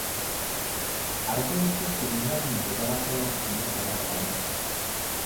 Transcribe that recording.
Argo je v Česku výhradním vydavatelem knih Dana Browna.